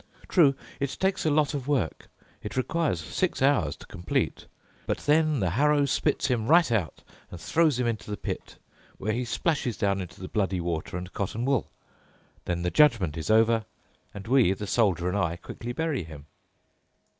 True, it takes a lot of work. It requires six hours to complete. But then the harrow spits him right out and throws him into the pit, where he splashes down into the bloody water and cotton wool. Then the judgment is over, and we, the soldier and I, quickly bury him."